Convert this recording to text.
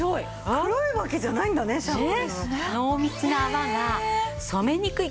黒いわけじゃないんだねシャンプー。